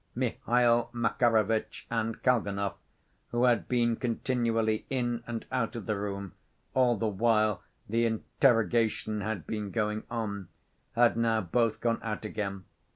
Mihail Makarovitch and Kalganov, who had been continually in and out of the room all the while the interrogation had been going on, had now both gone out again.